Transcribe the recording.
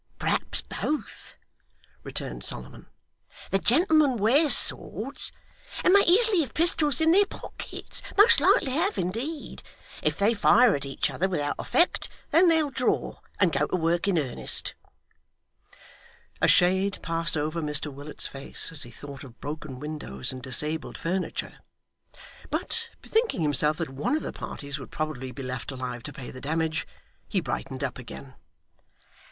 Perhaps both,' returned Solomon. 'The gentlemen wear swords, and may easily have pistols in their pockets most likely have, indeed. If they fire at each other without effect, then they'll draw, and go to work in earnest.' A shade passed over Mr Willet's face as he thought of broken windows and disabled furniture, but bethinking himself that one of the parties would probably be left alive to pay the damage, he brightened up again.